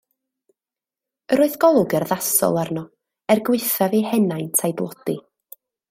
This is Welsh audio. Yr oedd golwg urddasol arno, er gwaethaf ei henaint a'i dlodi.